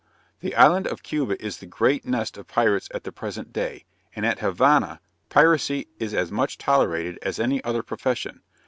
The island of Cuba is the great nest of pirates at the present day, and at the Havana, piracy is as much tolerated as any other profession.